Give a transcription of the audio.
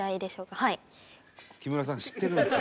「木村さん知ってるんですよ」